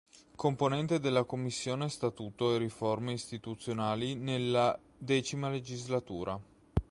Componente della Commissione statuto e riforme istituzionali nella X legislatura.